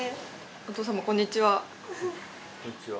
お父様こんにちは。